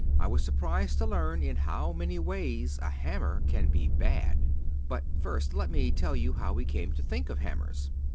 I was surprised to learn in how many ways a hammer can be bad. But, first, let me tell you how he came to think of hammers.